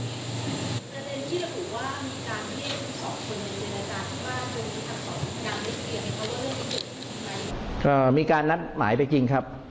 แต่เจ้าตัวก็ไม่ได้รับในส่วนนั้นหรอกนะครับ